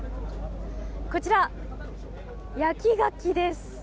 こちら、焼きガキです。